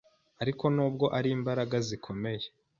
ariko nubwo ari imbaraga zikomeye